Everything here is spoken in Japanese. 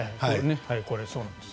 これ、そうなんです。